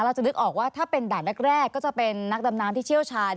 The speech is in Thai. จะนึกออกว่าถ้าเป็นด่านแรกก็จะเป็นนักดำน้ำที่เชี่ยวชาญ